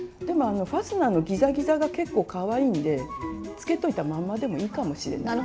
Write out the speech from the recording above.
でもファスナーのギザギザが結構かわいいんでつけといたまんまでもいいかもしれない。